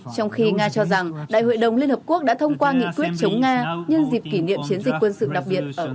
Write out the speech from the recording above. trong khi nga cho rằng đại hội đồng liên hợp quốc đã thông qua nghị quyết chống nga nhân dịp kỷ niệm chiến dịch quân sự đặc biệt